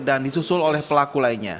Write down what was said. dan disusul oleh pelaku lainnya